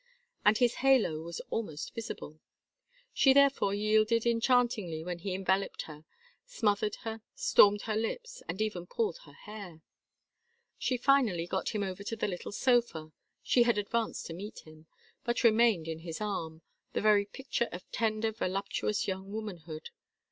And his halo was almost visible. She therefore yielded enchantingly when he enveloped her, smothered her, stormed her lips, and even pulled her hair. She finally got him over to the little sofa she had advanced to meet him but remained in his arm, the very picture of tender voluptuous young womanhood.